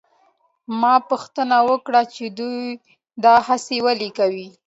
ما پوښتنه وکړه چې دوی دا هڅه ولې کوي؟